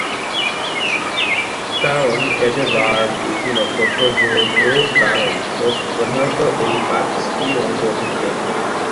এর কারণ এতে বার, তিথি, নক্ষত্র, যোগ ও করণ প্রধানত এই পাঁচটি অঙ্গ থাকে।